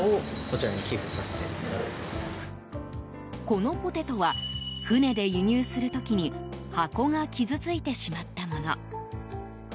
このポテトは船で輸入する時に箱が傷ついてしまったもの。